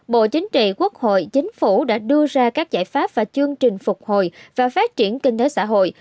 bộ chính trị quốc hội chính phủ đã đưa ra các giải pháp và chương trình phục hồi và phát triển kinh tế xã hội